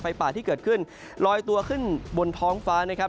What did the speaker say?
ป่าที่เกิดขึ้นลอยตัวขึ้นบนท้องฟ้านะครับ